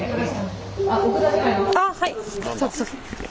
☎ああはい！